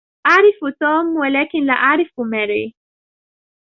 أعرف توم ولكن لا أعرف ماري.